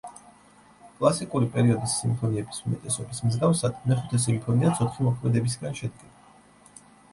კლასიკური პერიოდის სიმფონიების უმეტესობის მსგავსად, მეხუთე სიმფონიაც ოთხი მოქმედებისგან შედგება.